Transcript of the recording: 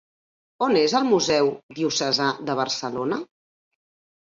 On és el Museu Diocesà de Barcelona?